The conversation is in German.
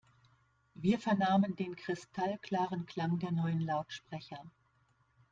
Wir vernahmen den kristallklaren Klang der neuen Lautsprecher.